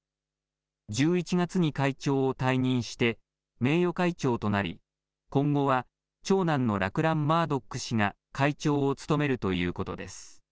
１１月に会長を退任して名誉会長となり今後は長男のラクラン・マードック氏が会長を務めるということです。